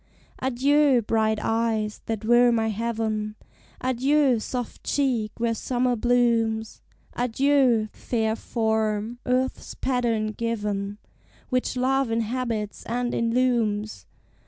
Adieu, bright eyes, that were my heaven! Adieu, soft cheek, where summer blooms! Adieu, fair form, earth's pattern given, Which Love inhabits and illumes!